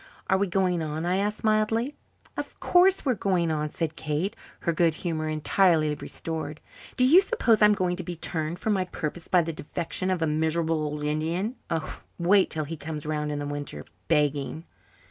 "Are we going on?" I asked mildly. "Of course we're going on," said Kate, her good humour entirely restored. "Do you suppose I'm going to be turned from my purpose by the defection of a miserable old Indian? Oh, wait till he comes round in the winter, begging."